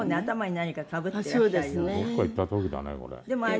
どこか行った時だねこれ。